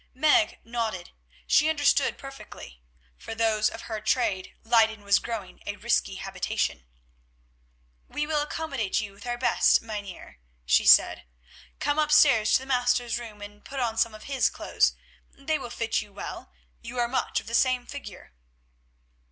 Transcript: Meg nodded. She understood perfectly; for those of her trade Leyden was growing a risky habitation. "We will accommodate you with our best, Mynheer," she said. "Come upstairs to the Master's room and put on some of his clothes. They will fit you well; you are much of the same figure."